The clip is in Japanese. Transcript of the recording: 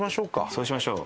そうしましょう。